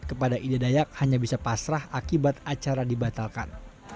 kepada ida dayak hanya bisa pasrah akibat acara dibatalkan